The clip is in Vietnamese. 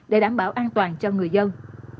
để đảm bảo an toàn cho người dân